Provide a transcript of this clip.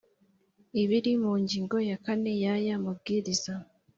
ibiri mu ngingo ya kane y aya mabwiriza